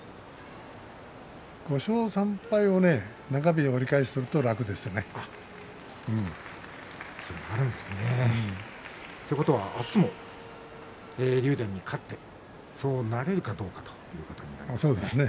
５勝３敗で中日折り返すと楽ですね。ということは明日も竜電に勝ってそうなれるかどうかというところですね。